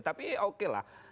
tapi oke lah